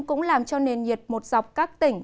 cũng làm cho nền nhiệt một dọc các tỉnh